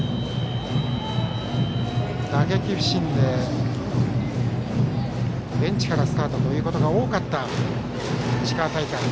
打撃不振でベンチからスタートということが多かった石川大会。